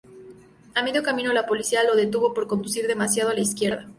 A medio camino la policía lo detuvo por conducir demasiado a la izquierda.